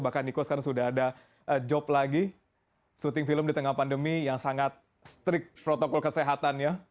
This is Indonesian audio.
bahkan niko sekarang sudah ada job lagi syuting film di tengah pandemi yang sangat strict protokol kesehatannya